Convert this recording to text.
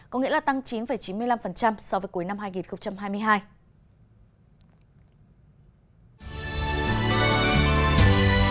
có nghĩa là tăng chín chín mươi năm so với cuối năm hai nghìn một mươi chín